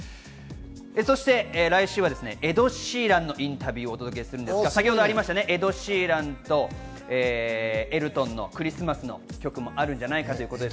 そして来週はエド・シーランのインタビューをお届けするんですが、エド・シーランとエルトンのクリスマスの曲もあるんじゃないかということで。